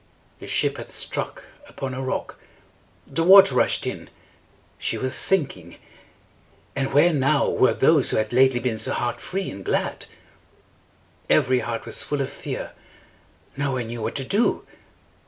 The ship had struck upon a rock. The water rushed in. She was sinking. Ah, where now were those who had lately been so heart free and glad? Every heart was full of fear. No one knew what to do.